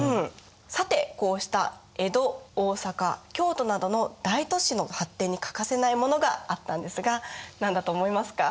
さてこうした江戸大坂京都などの大都市の発展に欠かせないものがあったんですが何だと思いますか？